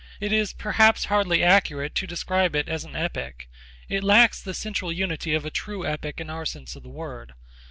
It is perhaps hardly accurate to describe it as an epic. It lacks the central unity of a true epic in our sense of the word.